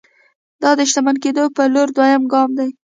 دا د شتمن کېدو پر لور دويم ګام دی.